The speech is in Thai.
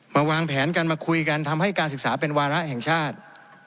วางแผนกันมาคุยกันทำให้การศึกษาเป็นวาระแห่งชาติ